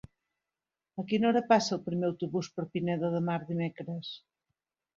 A quina hora passa el primer autobús per Pineda de Mar dimecres?